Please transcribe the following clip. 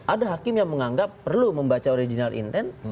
ada hakim yang menganggap perlu membaca original intent